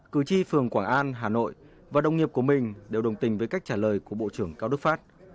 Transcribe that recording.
cử tri phường quảng an hà nội và đồng nghiệp của mình đều đồng tình với cách trả lời của bộ trưởng cao đức pháp